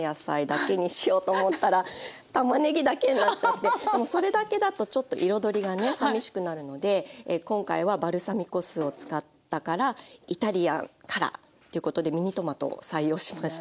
でもそれだけだとちょっと彩りがねさみしくなるので今回はバルサミコ酢を使ったからイタリアンカラーということでミニトマトを採用しました。